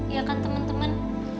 iya kan teman teman